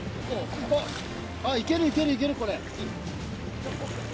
あっいけるいけるこれ。